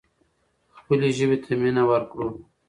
خپلې ژبې ته مینه ورکړو.